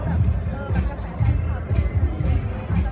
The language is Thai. แต่ทุกคนว่ามันก็ควรทันแหละ